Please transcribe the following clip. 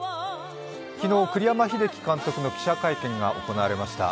昨日栗山英樹監督の記者会見が行われました。